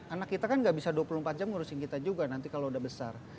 anak kita kan gak bisa dua puluh empat jam ngurusin kita juga nanti kalau udah besar